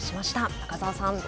中澤さん。